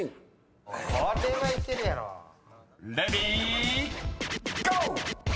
［レディーゴー！］